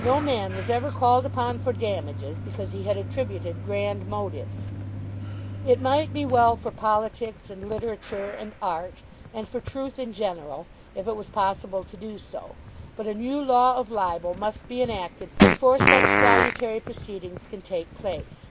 No man was ever called upon for damages because he had attributed grand motives. It might be well for politics and literature and art, and for truth in general, if it was possible to do so. But a new law of libel must be enacted before such salutary proceedings can take place.